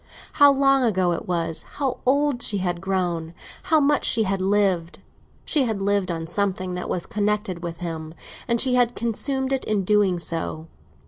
How long ago it was—how old she had grown—how much she had lived! She had lived on something that was connected with him, and she had consumed it in doing so.